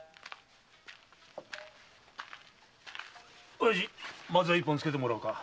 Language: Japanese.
おやじまずは一本つけてもらおうか。